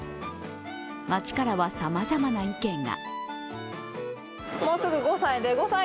街からはさまざまな意見が。